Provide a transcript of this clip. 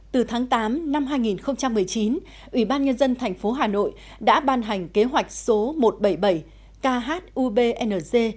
từ tháng tám năm hai nghìn một mươi chín ủy ban nhân dân thành phố hà nội đã ban hành kế hoạch số một trăm bảy mươi bảy khubng